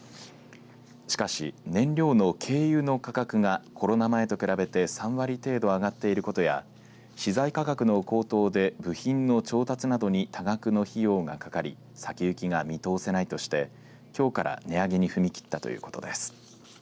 しかし燃料の軽油の価格がコロナ前と比べて３割程度上がっていることや資材価格の高騰で部品の調達などに多額の費用がかかり先行きが見通せないとしてきょうから値上げに踏み切ったということです。